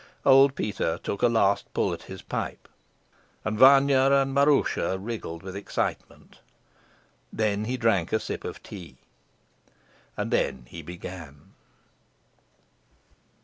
Old Peter took a last pull at his pipe, and Vanya and Maroosia wriggled with excitement. Then he drank a sip of tea. Then he began.